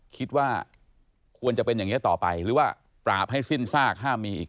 คิดว่าควรจะเป็นอย่างนี้ต่อไปหรือว่าปราบให้สิ้นซากห้ามมีอีก